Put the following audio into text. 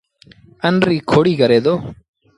اَن ريٚ کوڙيٚ ڪري دو